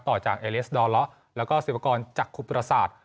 ต่อจากเอเลสดอลล้อแล้วก็ศิลปกรณ์จากครูปราศาสตร์